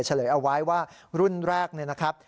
เฉลยเอาไว้ว่ารุ่นแรกเนี่ยนะครับ